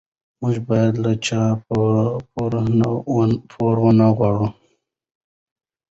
موږ باید له چا پور ونه غواړو.